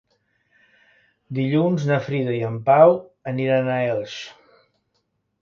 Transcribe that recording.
Dilluns na Frida i en Pau aniran a Elx.